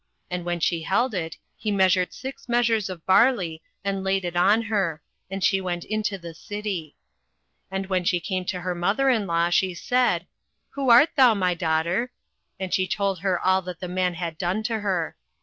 And when she held it, he measured six measures of barley, and laid it on her: and she went into the city. 08:003:016 And when she came to her mother in law, she said, Who art thou, my daughter? And she told her all that the man had done to her.